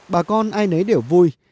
bà con ai nấy để vui